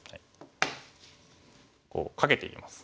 カケていきます。